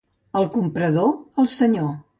El comprador, el senyor.